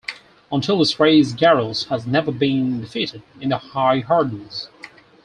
Until this race Garrels has never been defeated in the high hurdles.